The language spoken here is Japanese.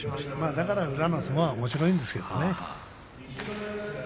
だから宇良の相撲はおもしろいんですよ。